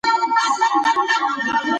که باران وشي نو کلي ته به لاړ نه شو.